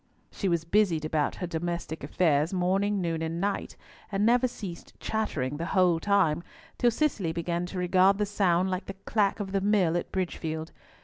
She was busied about her domestic affairs morning, noon, and night, and never ceased chattering the whole time, till Cicely began to regard the sound like the clack of the mill at Bridgefield.